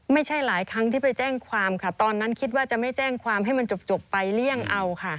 ไม่ใช่หลายครั้งที่ไปแจ้งความค่ะตอนนั้นคิดว่าจะไม่แจ้งความให้มันจบไปเลี่ยงเอาค่ะ